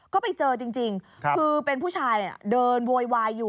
ก็ไปเจอจริง